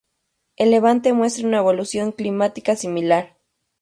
El Levante muestra una evolución climática similar.